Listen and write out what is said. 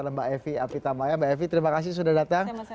mbak evi apitamaya mbak evi terima kasih sudah datang